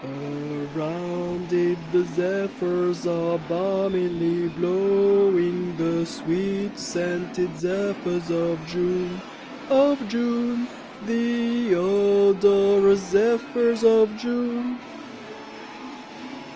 Around it the zephyrs are balmily blowing, The sweet scented zephyrs of June, Of June, The odorous zephyrs of June.